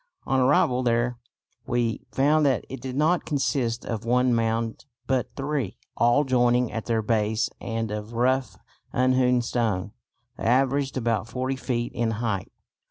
On arrival there we found that it did not consist of one mound but three, all joining at their base and of rough unhewn stone. They averaged about 40 feet in height.